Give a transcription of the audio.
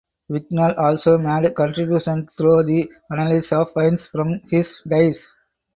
Wignall also made contribution through the analysis of finds from his dives.